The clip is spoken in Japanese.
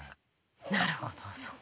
なるほどそっか。